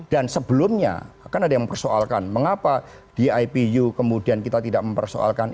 dan sebelumnya kan ada yang mempersoalkan mengapa di ipu kemudian kita tidak mempersoalkan